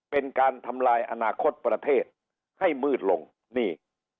เป็นการทำลายอนาคตประเทศให้มืดลงนี่